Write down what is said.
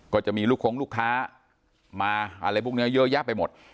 ก็จะมีลูกคงลูกค้ามาอะไรพวกนี้เยอะแยะไปหมด